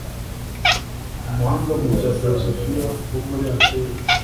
Umuhanga mu bya filozofiya wo muri Atene